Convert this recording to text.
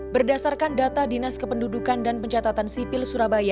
berdasarkan data dinas kependudukan dan pencatatan sipil surabaya